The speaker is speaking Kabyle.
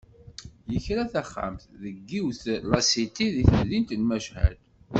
Yekra taxxamt deg yiwet n lasiti deg temdint n Machad.